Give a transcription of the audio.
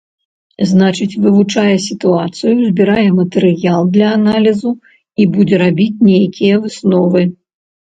Значыць, вывучае сітуацыю, збірае матэрыял для аналізу і будзе рабіць нейкія высновы.